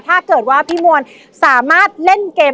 ถ้าเกิดว่าพี่มวลสามารถเล่นเกม